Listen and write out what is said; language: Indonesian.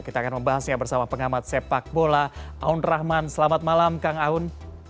kita akan membahasnya bersama pengamat sepak bola aun rahman selamat malam kang aun